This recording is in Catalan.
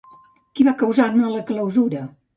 Qui va causar-ne la clausura?